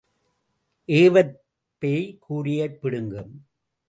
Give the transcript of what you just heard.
ஏவற்பேய் கூரையைப் பிடுங்கும்.